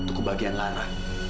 untuk kebahagiaan lara